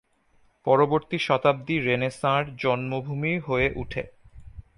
পরবর্তী শতাব্দী রেনেসাঁর জন্মভূমি হয়ে উঠে।